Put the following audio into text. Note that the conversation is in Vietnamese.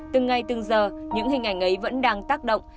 từng ngày từng giờ những hình ảnh ấy vẫn đang tác động